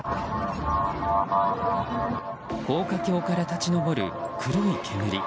高架橋から立ち上る黒い煙。